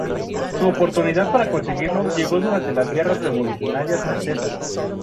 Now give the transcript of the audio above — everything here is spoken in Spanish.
Su oportunidad para conseguirlo llegó durante las Guerras Revolucionarias Francesas.